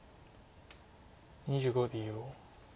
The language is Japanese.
２５秒。